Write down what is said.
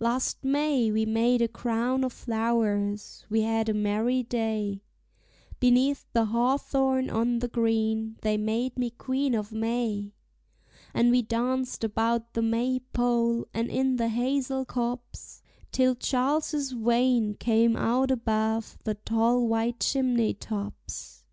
Last May we made a crown of flowers; we had a merry day, Beneath the hawthorn on the green they made me Queen of May; And we danced about the May pole and in the hazel copse, Till Charles's Wain came out above the tall white chimney tops.